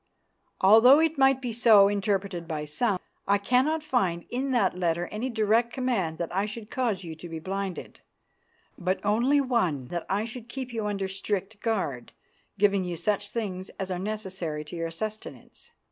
Although it might be so interpreted by some, I cannot find in that letter any direct command that I should cause you to be blinded, but only one that I should keep you under strict guard, giving you such things as are necessary to your sustenance.